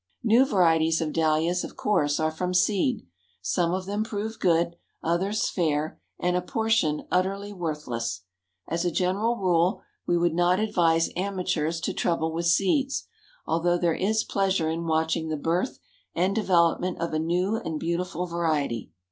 New varieties of Dahlias, of course, are from seed. Some of them prove good, others fair, and a portion utterly worthless. As a general rule, we would not advise amateurs to trouble with seeds, although there is pleasure in watching the birth and development of a new and beautiful variety.